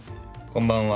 こんばんは。